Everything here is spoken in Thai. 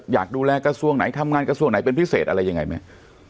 อยากดูแลกระทรวงไหนทำงานกระทรวงไหนเป็นพิเศษอะไรยังไงไหม